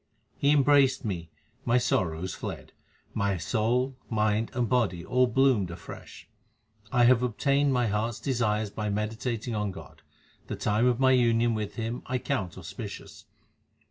He embraced me ; my sorrows fled ; my soul, mind, and body all bloomed afresh. 1 have obtained my heart s desires by meditating on God ; the time of my union with Him I account auspicious.